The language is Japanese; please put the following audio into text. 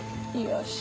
よし！